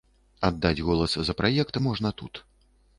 Аддаць голас за праект можна тут.